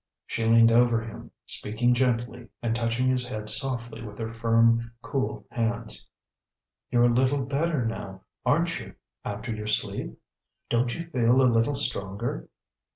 She leaned over him, speaking gently and touching his head softly with her firm, cool hands. "You're a little better now, aren't you, after your sleep? Don't you feel a little stronger?"